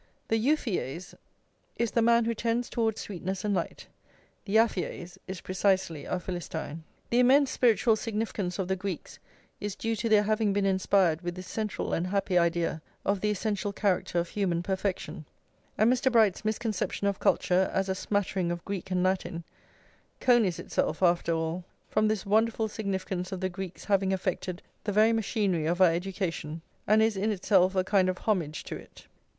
The euphyês+ is the man who tends towards sweetness and light; the aphyês+ is precisely our Philistine. The immense spiritual significance of the Greeks is due to their having been inspired with this central and happy idea of the essential character of human perfection; and Mr. Bright's misconception of culture, as a smattering of Greek and Latin, conies itself, after all, from this wonderful significance of the Greeks having affected the very machinery of our education, and is in itself a kind of homage to it.